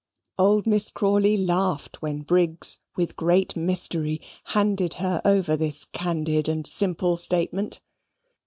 Old Miss Crawley laughed when Briggs, with great mystery, handed her over this candid and simple statement.